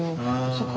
そっか。